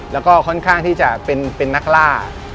แล้วก็ค่อนข้างที่จะเป็นนักล่า